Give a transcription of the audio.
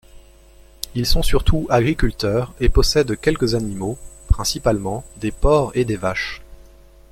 Ils sont surtout agriculteurs et possèdent quelques animaux, principalement des porcs et des vaches.